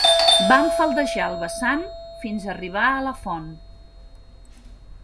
Vam faldejar el vessant fins arribar a la font.